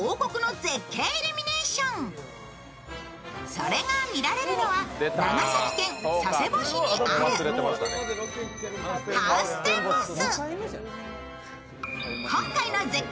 それが見られるのは長崎県佐世保市にあるハウステンボス。